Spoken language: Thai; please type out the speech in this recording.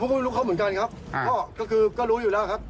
ก็ไม่รู้เขาเหมือนกันครับก็คือก็รู้อยู่แล้วครับ